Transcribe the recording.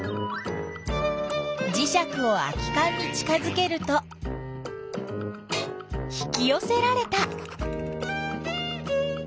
じしゃくを空きかんに近づけると引きよせられた。